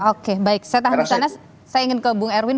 oke baik saya tahan ke sana saya ingin ke bung erwin